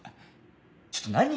ちょっと何？